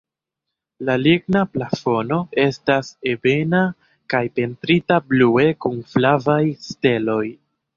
La ligna plafono estas ebena kaj pentrita blue kun flavaj steloj.